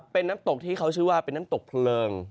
เป็นน้ำตกที่เขาชื่อว่าเป็นน้ำตกเพลิง